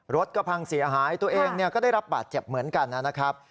รถก็พังเสียหายตัวเองก็ได้รับบาดเจ็บเหมือนกันนะครับ